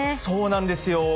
そうなんですよ。